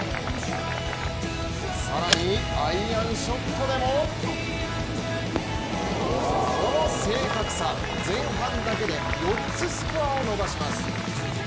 更にアイアンショットでもこの正確さ、前半だけで４つスコアを伸ばします。